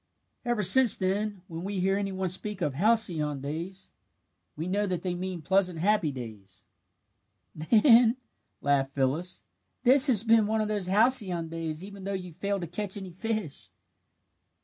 "Ever since then, when we hear any one speak of 'halcyon days,' we know that they mean pleasant happy days." "Then," laughed Phyllis, "this has been one of the 'halcyon days' even though you failed to catch any fish."